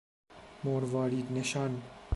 مروارید نشان